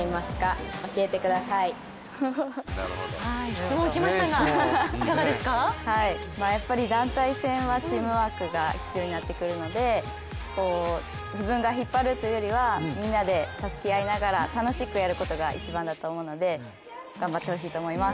最後に、スタジオの杉原さんへやっぱり団体戦はチームワークが必要になってくるので自分が引っ張るというよりはみんなで協力しながら楽しくやることが一番だと思うので頑張ってほしいと思います。